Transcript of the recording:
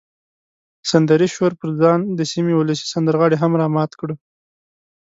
سندریز شور پر ځان د سیمې ولسي سندرغاړي هم را مات کړه.